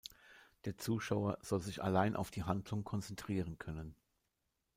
Der Zuschauer soll sich allein auf die Handlung konzentrieren können.